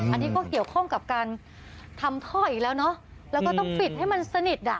อันนี้ก็เกี่ยวข้องกับการทำท่ออีกแล้วเนอะแล้วก็ต้องปิดให้มันสนิทอ่ะ